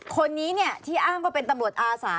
คนนี้ที่อ้างว่าเป็นตำรวจอาสา